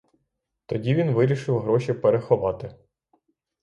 Тоді він вирішив гроші переховати.